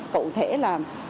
cụ thể là